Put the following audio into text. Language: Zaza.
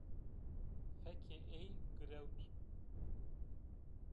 Fekê ey girewt